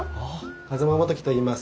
風間元規といいます。